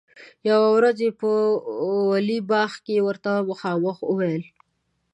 یوه ورځ یې په ولي باغ کې ورته مخامخ وویل.